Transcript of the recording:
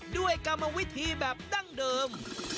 ด้วยกรรมวิธีแบบดั้งเดิม